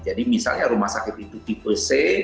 jadi misalnya rumah sakit itu tipe c